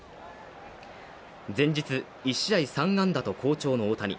前日、１試合３安打と好調の大谷。